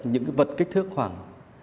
những cái vật kích thước khoảng